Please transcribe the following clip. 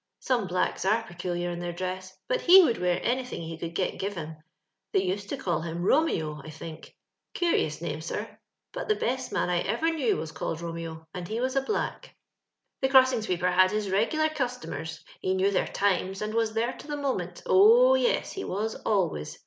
Some blacks are peculiar in their dress ; but he would wear anything he could get give him. They used to call him Romeo, I think. Gur* OU8 name, sir ; but the best man I ever knew was called Romeo, and he was a black. '* The crossing sweeper had his regular cus tomers ; he knew their times, and was there to the moment. Oh yes, he was always.